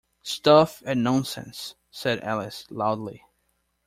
‘Stuff and nonsense!’ said Alice loudly.